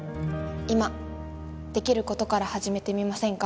今できることから始めてみませんか？